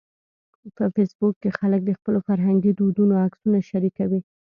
په فېسبوک کې خلک د خپلو فرهنګي دودونو عکسونه شریکوي